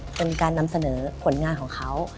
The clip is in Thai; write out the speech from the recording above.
เป็นการนำเสนอผลงานของเขา